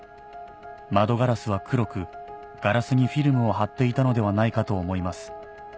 「窓ガラスは黒くガラスにフィルムを貼っていたのではないかと思います」